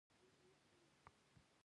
دا پېښه په یوه ځانګړې سیمه کې رامنځته شوه